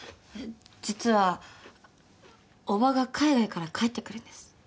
実は伯母が海外から帰ってくるんです。